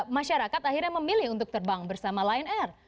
masyarakat akhirnya memilih untuk terbang bersama lion air